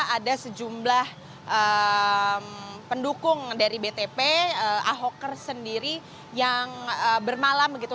ada sejumlah pendukung dari btp ahokers sendiri yang bermalam begitu